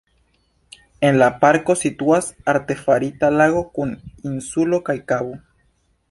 En la parko situas artefarita lago kun insulo kaj kavo.